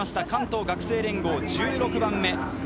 関東学生連合１６番目。